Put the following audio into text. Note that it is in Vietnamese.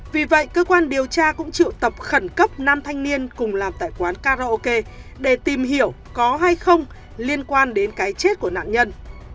vì vậy cơ quan điều tra cũng triệu tập khẩn cấp nam thanh niên cùng làm tại quán karaoke để tìm hiểu có hay không liên quan đến cái chết của nạn nhân